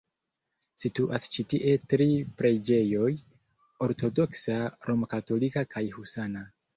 Situas ĉi tie tri preĝejoj: ortodoksa, romkatolika kaj husana.